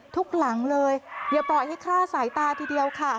ทุกหลังเลยอย่าปล่อยให้ฆ่าสายตาทีเดียวค่ะ